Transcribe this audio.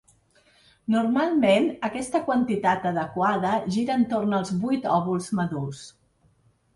Normalment, aquesta quantitat adequada gira entorn els vuit òvuls madurs.